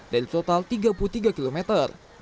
dari total tiga puluh tiga kilometer